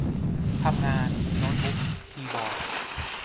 - ทำงาน : โน๊ตบุ๊ก คีย์บอร์ด